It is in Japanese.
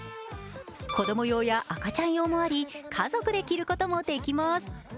子供用や赤ちゃん用もあり家族で着ることもできます。